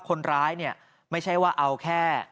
คนร้ายเนี่ยไม่ใช่ว่าเอาแค่